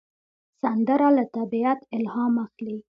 سندره له طبیعت الهام اخلي